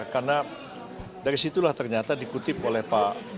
karena dari situlah ternyata dikutip oleh pak